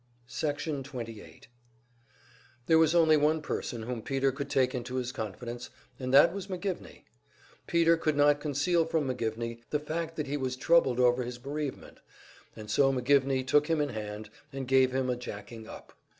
Section 28 There was only one person whom Peter could take into his confidence, and that was McGivney. Peter could not conceal from McGivney the fact that he was troubled over his bereavement; and so McGivney took him in hand and gave him a "jacking up."